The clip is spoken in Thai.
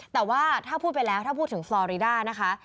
แต่ว่าถ้าพูดไปแล้วถ้าพูดถึงซอรีด้านะคะ